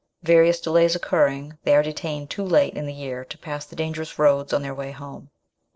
Various delays occurring, they are detained too late in the year to pass the dangerous roads on their way home.